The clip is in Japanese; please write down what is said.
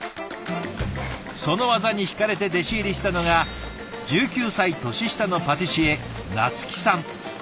その技にひかれて弟子入りしたのが１９歳年下のパティシエ菜月さん。